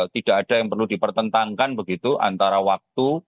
tidak ada yang perlu dipertentangkan begitu antara waktu